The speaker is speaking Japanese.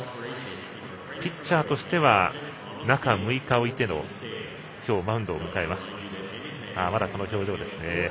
ピッチャーとしては中６日置いての今日、マウンドを迎えます。